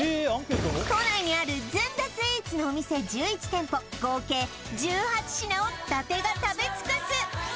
スイーツのお店１１店舗合計１８品を伊達が食べ尽くす！